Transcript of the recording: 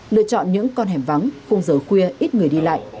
lựa chọn những con hẻm vắng không giờ khuya ít người đi lại